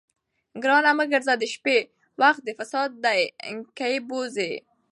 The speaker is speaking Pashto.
ګرانه مه ګرځه د شپې، وخت د فساد دي کښې بوځې